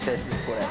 これ。